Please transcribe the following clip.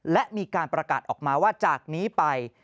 และมีการประกาศออกมาว่าจากนี้ไป